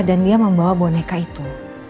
dan dia membawa boneka itu